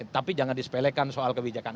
tapi jangan disepelekan soal kebijakan